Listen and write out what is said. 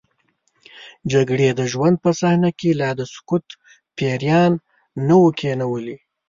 جګړې د ژوند په صحنه کې لا د سکوت پیریان نه وو کینولي.